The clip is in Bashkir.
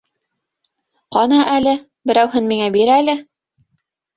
Ҡана әле, берәүһен миңә бир әле!